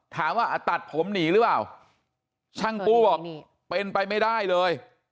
ถามว่าตัดผมหนีหรือเปล่าช่างปู้บอกเป็นไปไม่ได้เลย